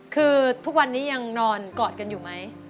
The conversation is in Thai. คือทุกวันนี้ยังนอนกอดกันอยู่ไหม